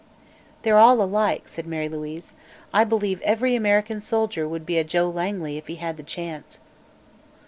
"They're all alike," said Mary Louise. "I believe every American soldier would be a Joe Langley if he had the chance."